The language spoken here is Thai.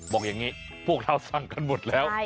บอกอย่างนี้พวกเราสั่งกันหมดแล้ว